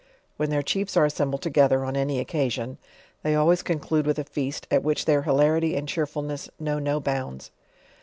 . When their chiefs are assembled together , on any occas ion, they always conclude with a feast, at which their hilari ty and cheerfulness know no hounds.